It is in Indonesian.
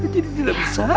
jadi tidak bisa